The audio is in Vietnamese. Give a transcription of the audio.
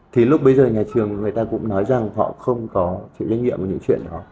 thì lúc bây giờ nhà trường người ta cũng nói rằng họ không có chịu trách nhiệm về những chuyện đó